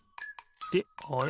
であれ？